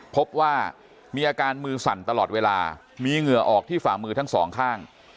พบว่ามีอาการมือสั่นตลอดเวลามีเหงื่อออกที่ฝ่ามือทั้งสองข้าง